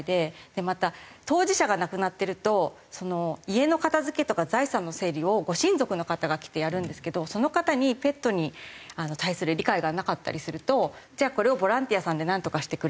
また当事者が亡くなってると家の片付けとか財産の整理をご親族の方が来てやるんですけどその方にペットに対する理解がなかったりするとじゃあこれをボランティアさんでなんとかしてくれとか。